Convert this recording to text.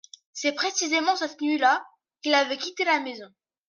C’est précisément cette nuit-là qu’il avait quitté la maison.